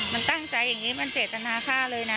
มันตั้งใจเองนี้มันเศตนาค่ะเลยนะ